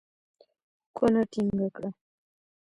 کونه ټينګه کړه.